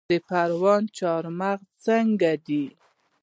د پروان چارمغز څنګه دي؟